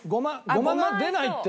ゴマが出ないって。